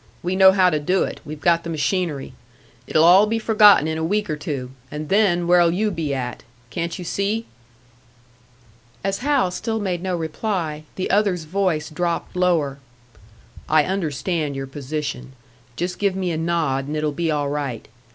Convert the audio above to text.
We know how to do it, we've got the machinery. It'll all be forgotten in a week or two, and then where'll you be at? Can't you see?" As Hal still made no reply, the other's voice dropped lower. "I understand your position. Just give me a nod, and it'll be all right.